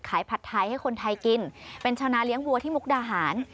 ผัดไทยให้คนไทยกินเป็นชาวนาเลี้ยงวัวที่มุกดาหาร